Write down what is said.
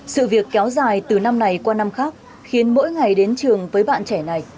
sự việc kéo dài từ năm này qua năm khác khiến mỗi ngày đến trường với bạn trẻ này